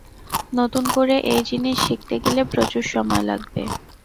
নতুন করে এই জিনিস শিখতে গেলে প্রচুর সময় লাগবে।